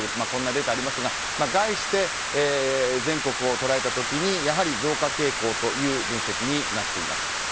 こんなデータですが概して全国を捉えた時やはり増加傾向という分析になっています。